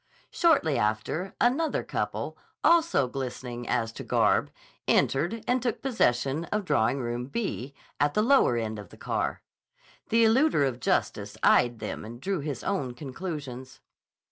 Shortly after, another couple, also glistening as to garb, entered and took possession of Drawing Room "B," at the lower end of the car. The eluder of justice eyed them and drew his own conclusions.